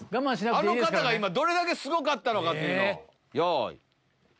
あの方が今どれだけすごかったのかっていうのを。